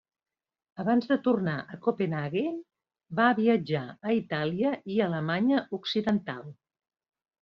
Abans de tornar a Copenhaguen, van viatjar a Itàlia i Alemanya Occidental.